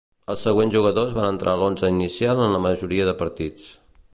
Els següents jugadors van entrar a l'onze inicial en la majoria de partits.